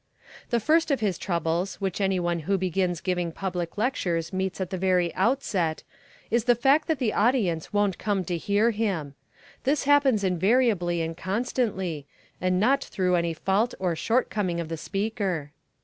The first of the troubles which any one who begins giving public lectures meets at the very outset is the fact that the audience won't come to hear him. This happens invariably and constantly, and not through any fault or shortcoming of the speaker.